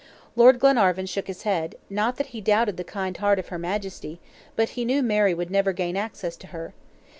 Lord Glenarvan shook his head; not that he doubted the kind heart of her Majesty, but he knew Mary would never gain access to her.